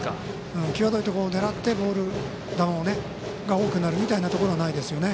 際どいところ狙ってボール球が多くなるみたいなところはないです。